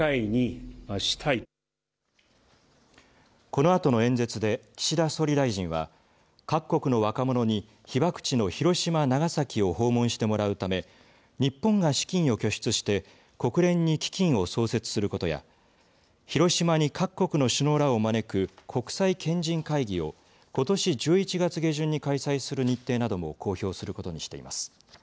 このあとの演説で岸田総理大臣は各国の若者に被爆地の広島長崎を訪問してもらうため日本が資金を拠出して国連に基金を創設することや広島に各国の首脳らを招く国際賢人会議をことし１１月下旬に開催する日程なども公表することにしています。